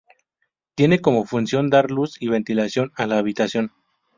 Tiene como función dar luz y ventilación a la habitación.